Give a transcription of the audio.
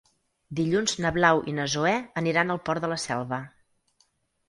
Dilluns na Blau i na Zoè aniran al Port de la Selva.